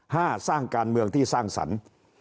ห้าสร้างการเมืองที่สร้างสรรค์